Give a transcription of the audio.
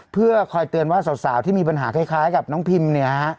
เพื่อคอยเตือนว่าสาวที่มีปัญหาคล้ายกับน้องพิมเนี่ยฮะ